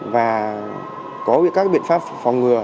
và có các biện pháp phòng ngừa